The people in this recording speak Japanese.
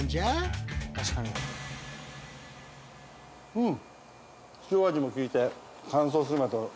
うん。